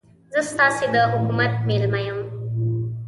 زه ستاسې د حکومت مېلمه یم.